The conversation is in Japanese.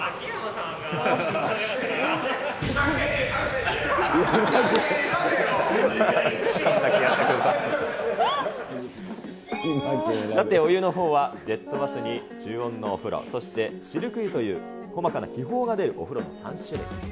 さて、お湯のほうは、ジェットバスに中温のお風呂、そしてシルク湯という細かな気泡が出るお風呂の３種類。